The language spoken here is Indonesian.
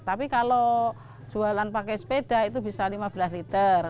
tapi kalau jualan pakai sepeda itu bisa lima belas liter